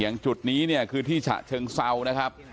ยังจุดนี้นี่คือที่ฉะเชิงเศรานะครับ